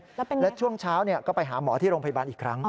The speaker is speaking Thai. แล้วเป็นอย่างไรแล้วช่วงเช้าก็ไปหาหมอที่โรงพยาบาลอีกครั้ง